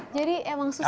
jadi emang susah